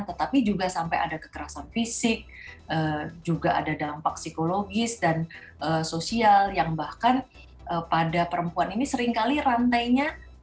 tetapi juga sampai ada kekerasan fisik juga ada dampak psikologis dan sosial yang bahkan pada perempuan ini seringkali rantainya